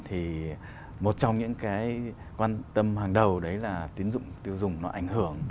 thì một trong những cái quan tâm hàng đầu đấy là tín dụng tiêu dùng nó ảnh hưởng